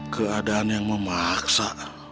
keadaan yang memaksa